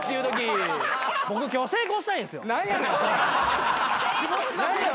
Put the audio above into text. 僕今日成功したいんすよ。